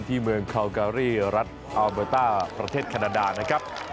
ที่เมืองคาวการีรัฐอัลเบอร์ต้าประเทศแคนาดานะครับ